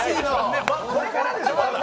これからでしょ？